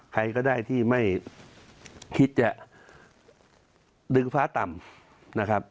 ใครก็ได้ที่ไม่คิดจะดึงฟ้าต่ำ